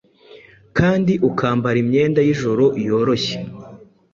kandi ukambara imyenda y’ijoro yoroshye,